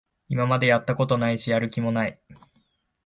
今までやったことないし、やる気もない